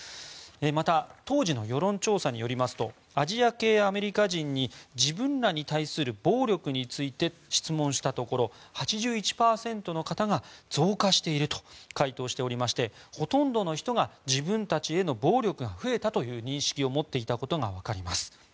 また当時の世論調査によりますとアジア系アメリカ人に自分らに対する暴力について質問したところ８１％の方が増加していると回答してましてほとんどの人が自分たちへの暴力が増えたという認識を持っていたことが分かります。